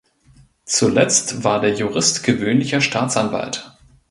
Zuletzt war der Jurist gewöhnlicher Staatsanwalt.